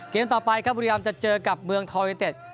เกมต่อไปครับบุรีรำจะเจอกับเมืองทอยเต็ด